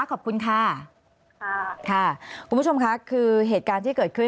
ขอบคุณค่ะค่ะคุณผู้ชมค่ะคือเหตุการณ์ที่เกิดขึ้น